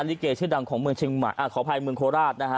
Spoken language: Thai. ลิเกชื่อดังของเมืองเชียงใหม่อ่าขออภัยเมืองโคราชนะฮะ